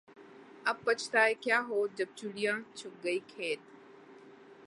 اب بچھتائے کیا ہوت جب چڑیا چگ گئی کھیت